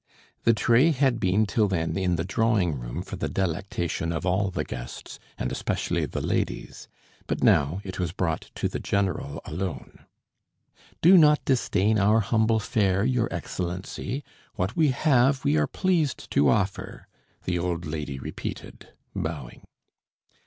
The tray had been till then in the drawing room for the delectation of all the guests, and especially the ladies. But now it was brought to the general alone. "Do not disdain our humble fare, your Excellency. What we have we are pleased to offer," the old lady repeated, bowing.